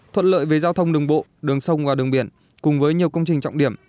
thuận lợi về giao thông đường bộ đường sông và đường biển cùng với nhiều công trình trọng điểm